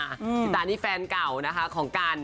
๓๑วันดีชั่วโดยามัญค์ซิตาร์นี่แฟนเก่าของกัน